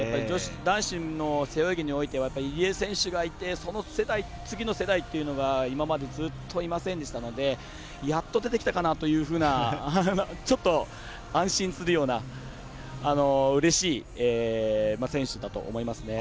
男子の背泳ぎにおいては入江選手がいて次の世代というのが今までずっといませんでしたのでやっと出てきたかなというふうなちょっと、安心するようなうれしい選手だと思いますね。